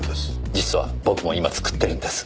実は僕も今作ってるんです。